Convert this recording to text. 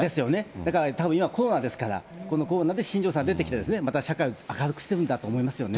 だからたぶん、今コロナですからこのコロナで新庄さん出てきて、また社会を明るくしてるんだと思いますよね。